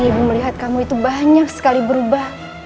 ibu melihat kamu itu banyak sekali berubah